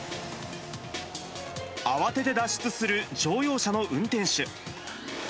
慌てて脱出する乗用車の運転手。